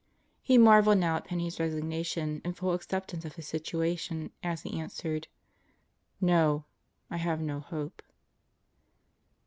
He marveled now at Penney's resignation and full acceptance of his situation as he answered. "No, I have no hope."